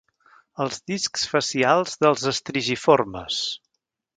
Els discs facials dels estrigiformes.